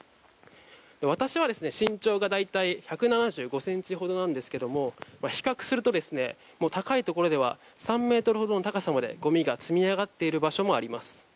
私は身長が大体１７５ｃｍほどなんですが比較すると、高いところでは３ｍほどの高さまでごみが積み上がっている場所もあります。